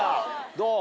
どう？